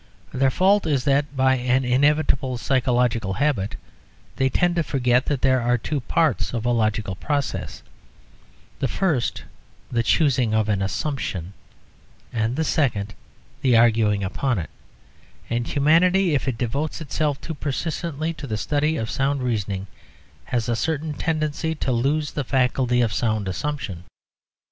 Their fault is that by an inevitable psychological habit they tend to forget that there are two parts of a logical process, the first the choosing of an assumption, and the second the arguing upon it, and humanity, if it devotes itself too persistently to the study of sound reasoning, has a certain tendency to lose the faculty of sound assumption.